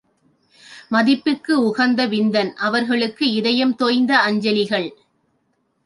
மதிப்புக்கு உகந்த விந்தன் அவர்களுக்கு, இதயம் தோய்ந்த அஞ்சலிகள்.